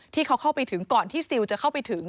ที่เขาเข้าไปถึงก่อนที่ซิลจะเข้าไปถึง